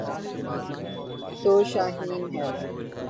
'تو شاہین ہے۔